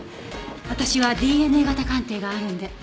私はＤＮＡ型鑑定があるので。